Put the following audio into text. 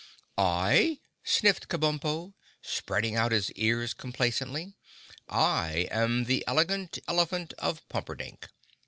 "I?" sniffed Kabumpo, spreading out his ears complacently, "I am the Elegant Elephant of Pumperdink.